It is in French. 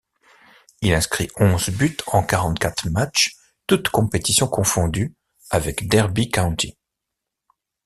Il inscrit onze buts en quarante-quatre matchs toutes compétitions confondues avec Derby County.